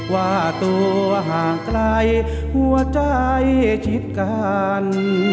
ว่าตัวห่างไกลหัวใจชิดกัน